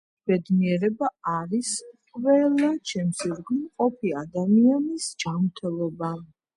ბედნიერება არის ყველა ჩემს ირგვლივ მყოფი ადამიანების ჯამრთელობა